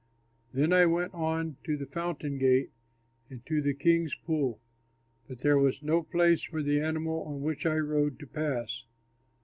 Then I went on to the Fountain Gate and to the King's Pool, but there was no place for the animal on which I rode to pass.